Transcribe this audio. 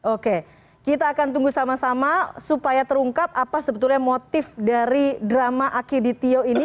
oke kita akan tunggu sama sama supaya terungkap apa sebetulnya motif dari drama aki ditio ini